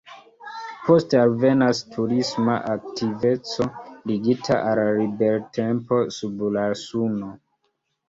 Poste alvenas turisma aktiveco ligita al libertempo sub la suno.